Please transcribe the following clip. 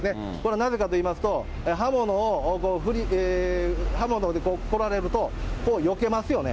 なぜかといいますと、刃物でこう、こられると、こうよけますよね。